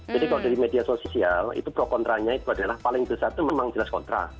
jadi kalau dari media sosial itu pro kontra nya itu adalah paling besar itu memang jelas kontra